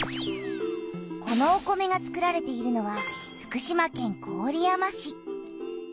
このお米がつくられているのは福島県郡山市。